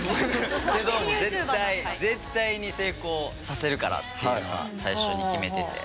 けど絶対絶対に成功させるからっていうのは最初に決めてて。